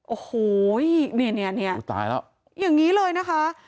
โอ้โหเนี่ยเนี่ยเนี่ยตายแล้วอย่างงี้เลยนะคะ